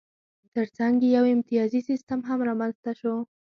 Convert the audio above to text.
ترڅنګ یې یو امتیازي سیستم هم رامنځته شو